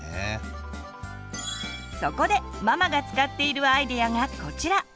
そこでママが使っているアイデアがこちら！